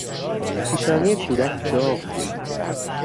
پیشانی کودک داغ بود.